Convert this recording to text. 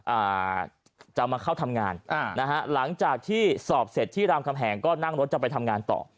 อ่าจะมาเข้าทำงานอ่านะฮะหลังจากที่สอบเสร็จที่รามคำแหงก็นั่งรถจะไปทำงานต่อ